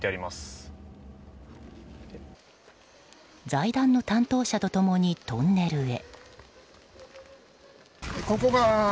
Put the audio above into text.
財団の担当者と共にトンネルへ。